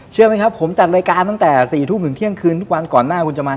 เชื่อไหมครับผมจัดรายการตั้งแต่๔ทุ่มถึงเที่ยงคืนทุกวันก่อนหน้าคุณจะมา